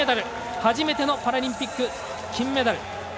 初めてのパラリンピック金メダル。